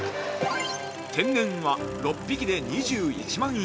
◆天然は６匹で２１万円。